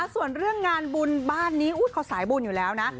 ส่วนเรื่องงานบุญบ้านนี้เขาสายบุญอยู่แล้วนะ